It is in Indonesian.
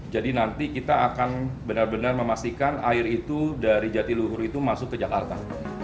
jadi nanti kita akan benar benar memastikan air itu dari jatiluhur itu masuk ke jakarta